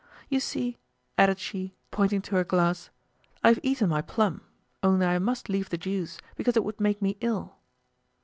"You see," added she, pointing to her glass, "I've eaten my plum; only I must leave the juice, because it would make me ill."